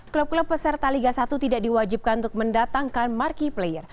klub klub peserta liga satu tidak diwajibkan untuk mendatangkan marki player